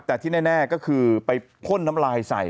แต่ที่แน่ก็คือไปพ่นน้ำลายใส่